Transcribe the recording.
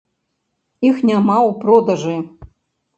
Іх няма ў продажы.